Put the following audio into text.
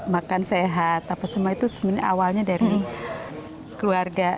makan sehat apa semua itu sebenarnya awalnya dari keluarga